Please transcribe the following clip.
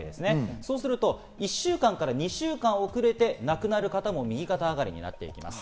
そうすると１週間から２週間遅れて亡くなる方も右肩上がりなっています。